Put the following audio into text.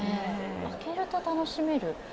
開けると楽しめる？